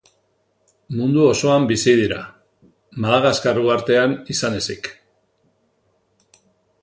Mundu osoan bizi dira, Madagaskar uhartean izan ezik.